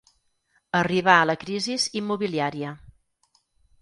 Arribar a la crisis inmobiliaria.